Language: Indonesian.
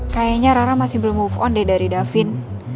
kayaknya rara masih belum move on deh dari davin